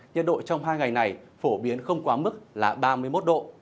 nhiệt độ trong hai ngày này phổ biến không quá mức là ba mươi một độ